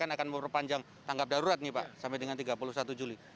akan memperpanjang tanggap darurat nih pak sampai dengan tiga puluh satu juli